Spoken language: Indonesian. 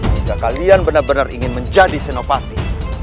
hingga kalian benar benar ingin menjadi senopati